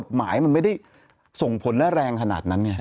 หมายมันไม่ได้ส่งผลและแรงขนาดนั้นไง